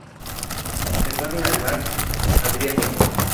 Se encuentra en el Mar Adriático.